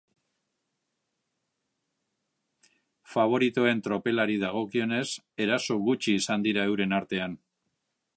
Faboritoen tropelari dagokionez, eraso gutxi izan dira euren artean.